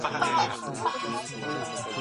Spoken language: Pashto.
که موضوع را اخلئ لومړی یې مخینه وګورئ.